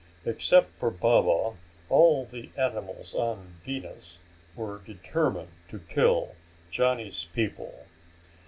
Except for Baba, all the animals on Venus were determined to kill Johnny's people.